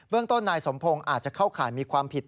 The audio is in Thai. ต้นนายสมพงศ์อาจจะเข้าข่ายมีความผิด